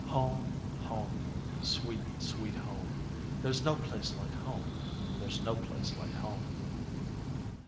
Home, Home, sweet, sweet Home! There's no place like Home! there's no place like Home!